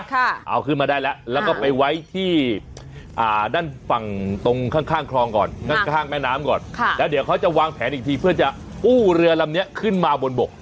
เอาขึ้นมาได้แล้วแล้วก็ไปไว้ที่อ่าด้านฝั่งตรงข้างข้างคลองก่อนข้างข้างแม่น้ำก่อนค่ะแล้วเดี๋ยวเขาจะวางแผนอีกทีเพื่อจะกู้เรือลำนี้ขึ้นมาบนบก